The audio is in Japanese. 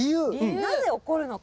なぜおこるのか。